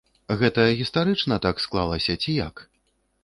Гэта гістарычна так склалася, ці як?